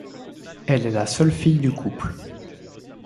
Elle est la seule fille du couple.